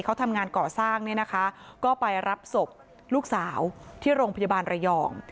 เขาทำงานก่อสร้างเนี่ยนะคะก็ไปรับศพลูกสาวที่โรงพยาบาลระยอง